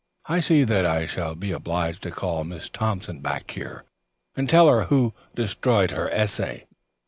"I see that I shall be obliged to call Miss Thompson back here and tell her who destroyed her essay.